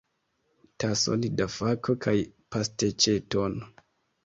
Tason da kafo kaj pasteĉeton!